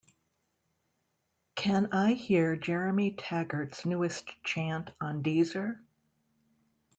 Can I hear Jeremy Taggart's newest chant on Deezer?